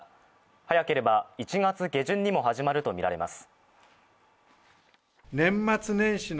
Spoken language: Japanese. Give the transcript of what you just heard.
早ければ１月下旬にも始まるとみられます。